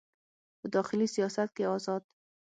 په داخلي سیاست کې ازاد